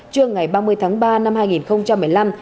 trưa ngày ba mươi tháng ba năm hai nghìn một mươi năm